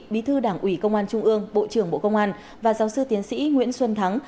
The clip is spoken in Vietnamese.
bí thư đảng ủy công an trung ương bộ trưởng bộ công an và giáo sư tiến sĩ nguyễn xuân thắng